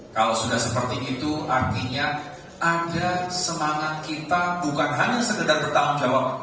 kalau sudah seperti itu artinya ada semangat kita bukan hanya sekedar bertanggung jawab